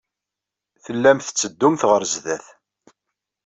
Tellamt tetteddumt ɣer sdat.